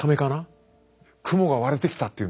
雲が割れてきたっていうんですよ。